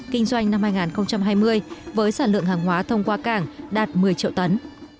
kinh doanh năm hai nghìn hai mươi với sản lượng hàng hóa thông qua cảng đạt một mươi triệu tấn